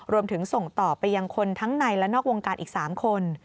ส่งต่อไปยังคนทั้งในและนอกวงการอีก๓คน